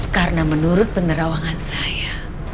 karena menurut penerawangan saya